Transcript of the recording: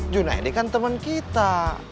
junaedi kan teman kita